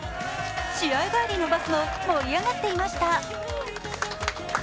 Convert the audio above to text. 試合帰りのバスも盛り上がっていました。